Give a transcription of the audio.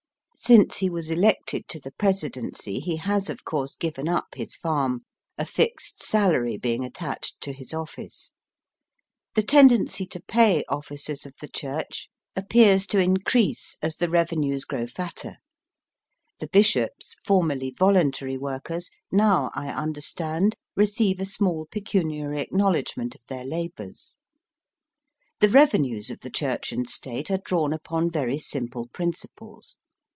Since he was elected to the Presidency he has, of course, given up his farm, a fixed salary being attached to his office. The tendency to pay officers of the Church appears to increase as the revenues Digitized by VjOOQIC 110 EAST BY WEST. grow fatter. The Bishops, formerly voluntary workers, now, I understand, receive a small pecuniary acknowledgment of their labours. The revenues of the Church and State are drawn upon very simple principles.